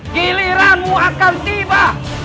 giliranmu akan tiba